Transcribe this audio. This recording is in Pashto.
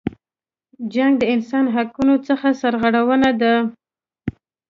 جنګ د انسانی حقونو څخه سرغړونه ده.